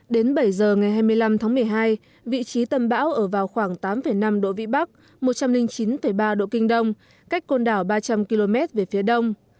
đến bảy giờ ngày hai mươi năm tháng một mươi hai vị trí tâm bão ở vào khoảng tám năm độ vĩ bắc một trăm linh chín ba độ kinh đông cách côn đảo ba trăm linh km về phía đông